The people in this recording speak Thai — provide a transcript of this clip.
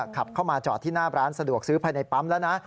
ขับเข้ามาจอดที่หน้าร้านสะดวกซื้อภายในปั๊มแล้วนะ